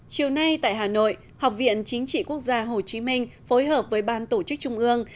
chiều nay tại hà nội học viện chính trị quốc gia hồ chí minh phối hợp với ban tổ chức trung ương